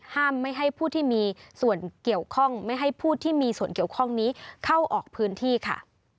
ห้ามไม่ให้ผู้ที่มีส่วนเกี่ยวข้องไม่ให้ผู้ที่มีส่วนเกี่ยวข้องนี้เข้าออกพื้นที่ค่ะ